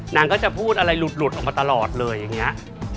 นางก็จะพูดอะไรหลุดผ่านขึ้นมาตลอดเลย